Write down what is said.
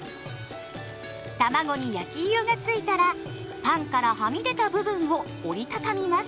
たまごに焼き色がついたらパンからはみ出た部分を折り畳みます。